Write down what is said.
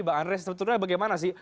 mbak andre sebetulnya bagaimana sih